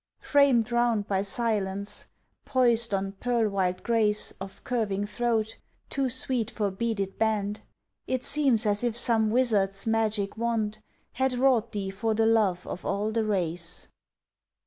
Framed round by silence, poised on pearl white grace Of curving throat, too sweet for beaded band, It seems as if some wizard's magic wand Had wrought thee for the love of all the race.